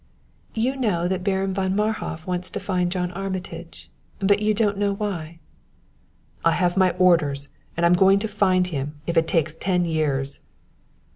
"You know that Baron von Marhof wants to find Mr. John Armitage; but you don't know why." "I have my orders and I'm going to find him, if it takes ten years."